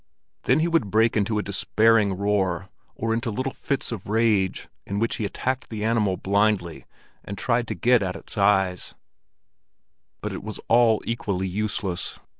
Then he would break into a despairing roar, or into little fits of rage in which he attacked the animal blindly and tried to get at its eyes; but it was all equally useless.